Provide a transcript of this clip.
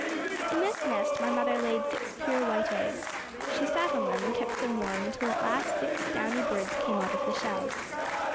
"In this nest my mother laid six pure white eggs. She sat on them and kept them warm until at last six downy birds came out of the shells.